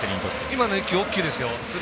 今の１球、大きいですよ。